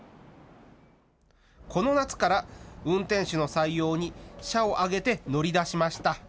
この夏から運転手の採用に社を挙げて乗り出しました。